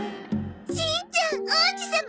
しんちゃん王子様？